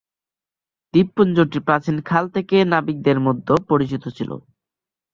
দ্বীপপুঞ্জটি প্রাচীন কাল থেকে নাবিকদের মধ্যে পরিচিত ছিল।